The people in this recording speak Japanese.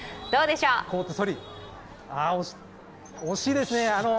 惜しいですね。